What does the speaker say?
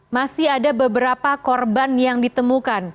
masih ada beberapa korban yang ditemukan